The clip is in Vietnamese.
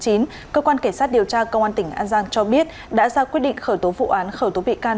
cơ quan cảnh sát điều tra công an tỉnh an giang cho biết đã ra quyết định khởi tố vụ án khởi tố bị can